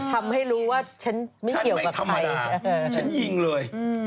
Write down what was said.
ทำให้รู้ว่าฉันไม่เกี่ยวกับใครฉันไม่ธรรมดาฉันยิงเลย